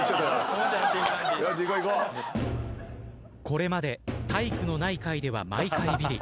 これまで体育のない回では毎回ビリ。